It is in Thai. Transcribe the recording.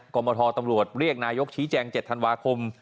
กรมทตำรวจเรียกนายกชี้แจง๗ธันวาคม